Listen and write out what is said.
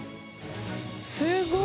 すごい！